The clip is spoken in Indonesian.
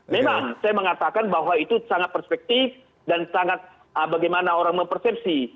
memang saya mengatakan bahwa itu sangat perspektif dan sangat bagaimana orang mempersepsi